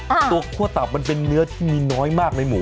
ตัวคั่วตับมันเป็นเนื้อที่มีน้อยมากในหมู